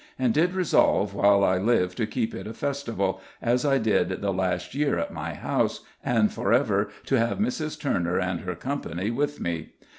And did resolve while I live to keep it a festival, as I did the last year at my house, and for ever to have Mrs. Turner and her company with me.